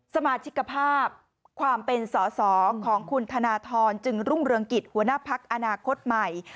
สมาชิกภาพความเป็นสอสอของคุณธนทรจึงรุ่งเรืองกิจหัวหน้าพักอนาคตใหม่